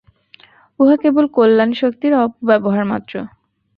উহা কেবল কল্যাণ শক্তির অপব্যবহার মাত্র।